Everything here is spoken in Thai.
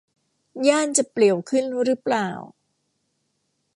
ย่านจะเปลี่ยวขึ้นรึเปล่า